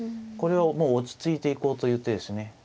これはもう落ち着いていこうという手ですね。